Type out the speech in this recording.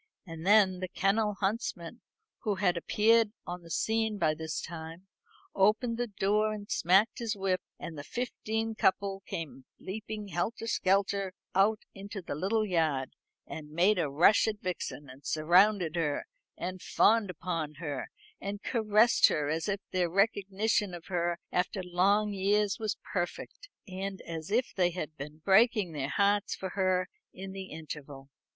And then the kennel huntsman, who had appeared on the scene by this time, opened the door and smacked his whip; and the fifteen couple came leaping helter skelter out into the little yard, and made a rush at Vixen, and surrounded her, and fawned upon her, and caressed her as if their recognition of her after long years was perfect, and as if they had been breaking their hearts for her in the interval.